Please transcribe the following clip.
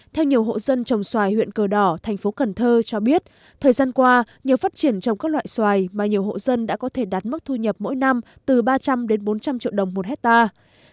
theo nhiều hộ dân trồng xoài huyện cờ đỏ thành phố cần thơ cho biết thời gian qua nhờ phát triển trong các loại xoài mà nhiều hộ dân đã có thể đạt mức thu nhập mỗi năm từ ba trăm linh đến bốn trăm linh triệu đồng một hectare